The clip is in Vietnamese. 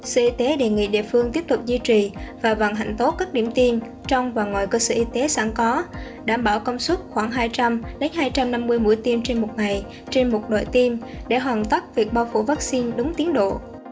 sở y tế đề nghị địa phương tiếp tục duy trì và vận hành tốt các điểm tiêm trong và ngoài cơ sở y tế sẵn có đảm bảo công suất khoảng hai trăm linh hai trăm năm mươi mũi tiêm trên một ngày trên một loại tiêm để hoàn tất việc bao phủ vaccine đúng tiến độ